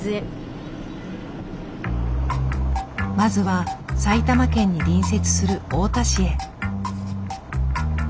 まずは埼玉県に隣接する太田市へ。